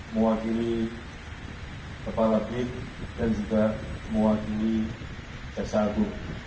mewakili kepala bin dan juga mewakili tersabu